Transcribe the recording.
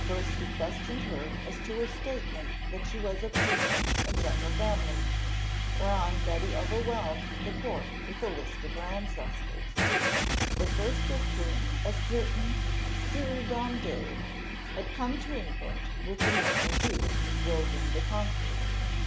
First he questioned her as to her statement that she was of ancient and gentle family, whereon Betty overwhelmed the court with a list of her ancestors, the first of whom, a certain Sieur Dene de Dene, had come to England with the Norman Duke, William the Conqueror.